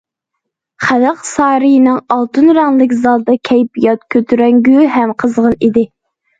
خەلق سارىيىنىڭ ئالتۇن رەڭلىك زالىدا كەيپىيات كۆتۈرەڭگۈ ھەم قىزغىن ئىدى.